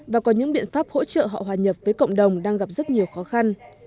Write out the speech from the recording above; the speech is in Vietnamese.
và có những biện pháp hỗ trợ họ hòa nhập với cộng đồng đang gặp rất nhiều khó khăn